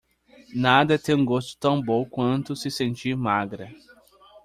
Nada tem um gosto tão bom quanto se sentir magra